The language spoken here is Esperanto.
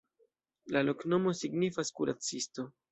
La loknomo signifas: "kuracisto".